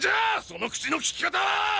その口のきき方は！？